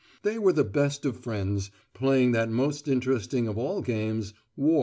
They were the best of friends, playing that most interesting of all games, war.